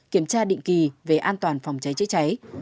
kiểm tra định kỳ về an toàn phòng cháy chữa cháy